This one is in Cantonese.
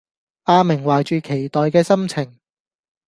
阿明懷著期待嘅心情